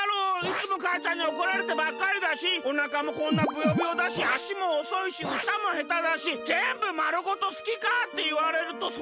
いつもかあちゃんにおこられてばっかりだしおなかもこんなブヨブヨだしあしもおそいしうたもへただしぜんぶまるごと好きかっていわれるとそうでもないかも。